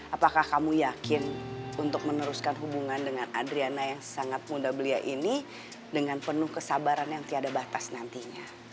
apakah kamu yakin untuk meneruskan hubungan dengan adriana yang sangat muda belia ini dengan penuh kesabaran yang tiada batas nantinya